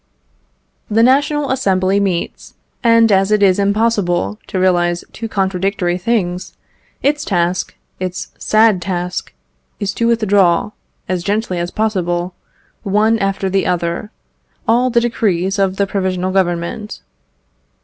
The National Assembly meets, and, as it is impossible to realise two contradictory things, its task, its sad task, is to withdraw, as gently as possible, one after the other, all the decrees of the Provisional Government.